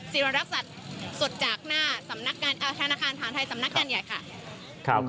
ซีรวรรณรักษณ์สดจากหน้าธนาคารทหารไทยสำนักงานใหญ่ค่ะ